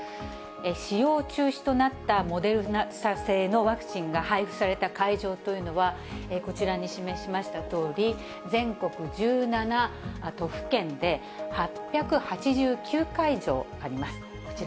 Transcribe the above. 使用中止となったモデルナ社製のワクチンが配布された会場というのは、こちらに示しましたとおり、全国１７都府県で８８９会場あります。